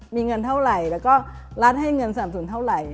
มีเงินเท่าไหร่แล้วก็รัฐให้เงินสนับสนุนเท่าไหร่